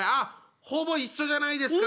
ほぼ一緒じゃないですか？